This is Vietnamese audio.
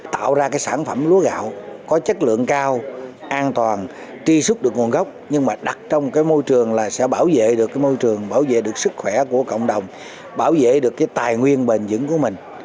tạo ra cái sản phẩm lúa gạo có chất lượng cao an toàn truy xuất được nguồn gốc nhưng mà đặt trong cái môi trường là sẽ bảo vệ được cái môi trường bảo vệ được sức khỏe của cộng đồng bảo vệ được cái tài nguyên bền dững của mình